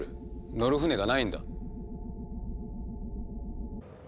乗る船がないんだ。